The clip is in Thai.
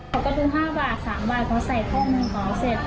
เขาก็ถึง๕บาท๓บาทเขาใส่พ่อมือหมอเสร็จ